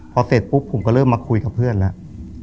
พอเสร็จปุ๊บผมก็เริ่มมาคุยกับเพื่อนแล้ว